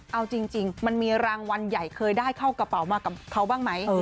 เอาจริงมันมีรางวัลใหญ่เคยได้เข้ากระเป๋ามากับเขาบ้างไหม